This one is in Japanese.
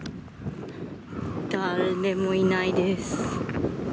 誰もいないです。